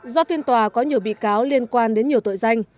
do phiên tòa có nhiều bị cáo liên quan đến nhiều tội danh